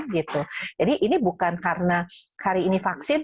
jadi ini bukan karena hari ini vaksin